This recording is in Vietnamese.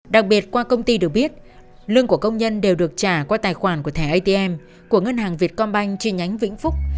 đặc biệt qua công ty được biết lương của công nhân đều được trả qua tài khoản của thẻ atm của ngân hàng việt công banh trên nhánh vĩnh phúc